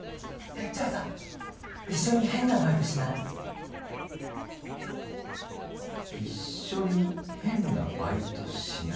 じゃあさ一緒に変なバイトしない？「一緒に変なバイトしない？」